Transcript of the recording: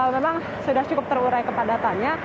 memang sudah cukup terurai kepadatannya